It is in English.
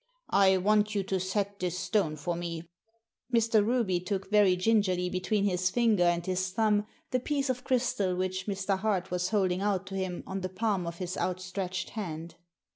" I want you to set this stone for me." Mr. Ruby took very gingerly between his finger and his thumb the piece of crystal which Mr. Hart was holding out to him on the palm of his outstretched hand.